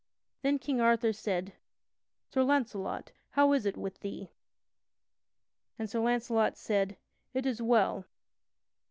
Then King Arthur said: "Sir Launcelot, how is it with thee?" and Sir Launcelot said: "It is well."